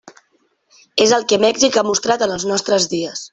És el que Mèxic ha mostrat en els nostres dies.